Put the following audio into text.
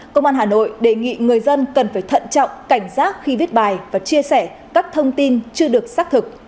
công an hà nội đề nghị người dân cần phải thận trọng cảnh giác khi viết bài và chia sẻ các thông tin chưa được xác thực